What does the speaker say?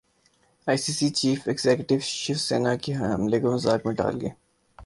ائی C C chief executive شوسینا کے حملے کو مذاق میں ٹال گئے